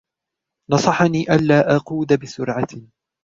نصحني ألا أقود بسرعة.